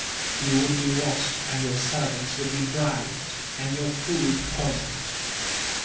You would be watched, and your servants would be bribed, and your food poisoned.